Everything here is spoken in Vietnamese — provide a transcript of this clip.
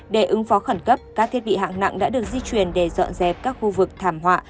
để ứng phó khẩn cấp các thiết bị hạng nặng đã được di chuyển để dọn dẹp các khu vực thảm họa